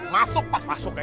masuk pasti masuk